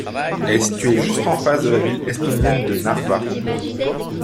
Elle est située juste en face de la ville estonienne de Narva.